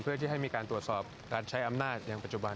เพื่อที่ให้มีการตรวจสอบการใช้อำนาจอย่างปัจจุบัน